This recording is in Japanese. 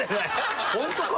ホントか？